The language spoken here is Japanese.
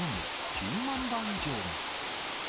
９万羽以上が。